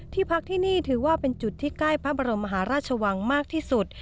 พักที่นี่ถือว่าเป็นจุดที่ใกล้พระบรมมหาราชวังมากที่สุด